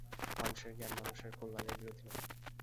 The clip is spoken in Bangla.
মানুষের জ্ঞান মানুষের কল্যাণের বিরোধী নয়।